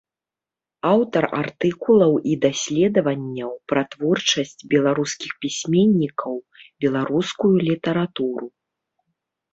Аўтар артыкулаў і даследаванняў пра творчасць беларускіх пісьменнікаў, беларускую літаратуру.